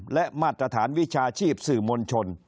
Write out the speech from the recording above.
และมาตรฐานวิชาชีพสื่อมวลชน